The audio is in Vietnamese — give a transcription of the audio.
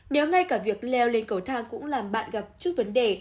nếu ngay cả việc leo lên cầu thang cũng làm bạn gặp trước vấn đề